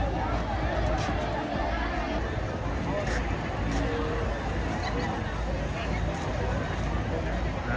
กระเป๋าใส่แล้วนี่ซื้อกันเขาก็ไม่ให้ใช้ใช้เล็กก็ไม่ให้ใช้